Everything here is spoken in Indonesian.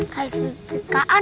kayak sedikit kean